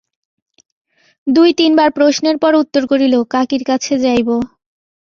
দুই-তিনবার প্রশ্নের পর উত্তর করিল, কাকীর কাছে যাইব।